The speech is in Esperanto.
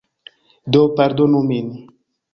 Do, pardonu min.